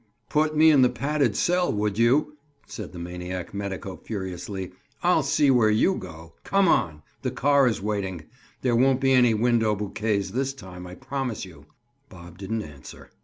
"Put me in the padded cell, would you?" said the maniac medico furiously. "I'll see where you go. Come on. The car is waiting. There won't be any window bouquets this time, I promise you." Bob didn't answer.